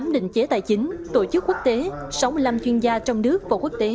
tám định chế tài chính tổ chức quốc tế sáu mươi năm chuyên gia trong nước và quốc tế